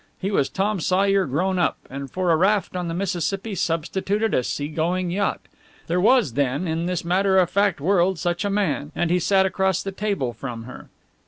He was Tom Sawyer grown up; and for a raft on the Mississippi substitute a seagoing yacht. There was then in this matter of fact world such a man, and he sat across the table from her!